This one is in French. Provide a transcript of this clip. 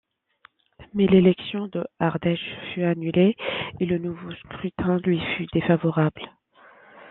Mais l'élection de Ardèche fut annulée, et le nouveau scrutin lui fut défavorable.